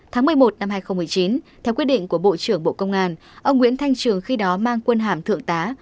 tháng một mươi một năm hai nghìn một mươi chín theo quyết định của bộ trưởng bộ công an ông nguyễn thanh trường khi đó mang quân hàm thượng tá